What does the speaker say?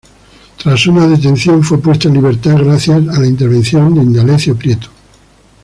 Tras una detención fue puesto en libertad gracias a la intervención de Indalecio Prieto.